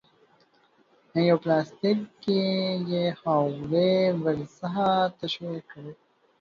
په یوه پلاستیک کې یې خاورې ورڅخه تشې کړې.